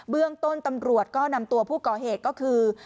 เรื่องต้นตำรวจก็นำตัวผู้ก่อเหตุก็คือ